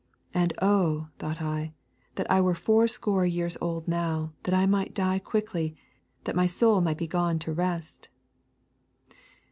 And oh! thought I, that I were fourscore years old now, that I might die quickly, that my soul might be gone to rest.'